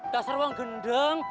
dasar uang gendeng